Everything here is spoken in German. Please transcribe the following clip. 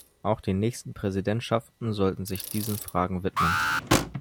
Auch die nächsten Präsidentschaften sollten sich diesen Fragen widmen.